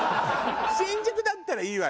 新宿だったらいいわよ。